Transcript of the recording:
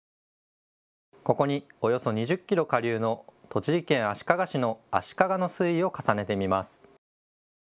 ここに、およそ２０キロ下流の栃木県足利市の足利の水位を重ねてみます。